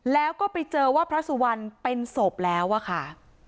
แล้วก็ไปเจอว่าพระสุวรรณเป็นศพแล้วอะค่ะ